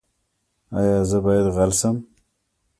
ایا زه باید غل شم؟